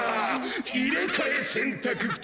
「入れ替え洗濯機」。